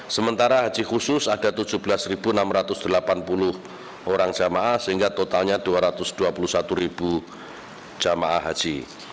sementara haji khusus ada tujuh belas enam ratus delapan puluh orang jamaah sehingga totalnya dua ratus dua puluh satu jemaah haji